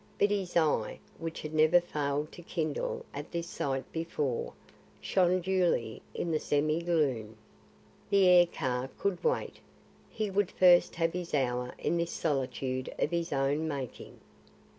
But his eye, which had never failed to kindle at this sight before, shone dully in the semi gloom. The air car could wait; he would first have his hour in this solitude of his own making.